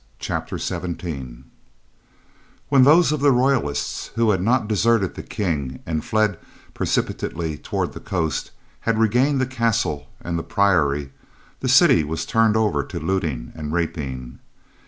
CHAPTER XVII When those of the royalists who had not deserted the King and fled precipitately toward the coast had regained the castle and the Priory, the city was turned over to looting and rapine.